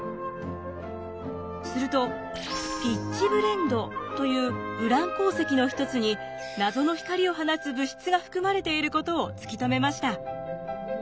するとピッチブレンドというウラン鉱石の一つに謎の光を放つ物質が含まれていることを突き止めました。